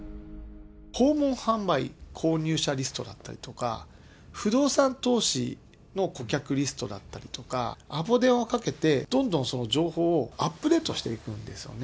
訪問販売購入者リストだったりとか、不動産投資の顧客リストだったりとか、アポ電をかけて、どんどんその情報をアップデートしていくんですよね。